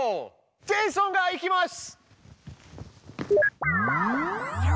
ジェイソンが行きます。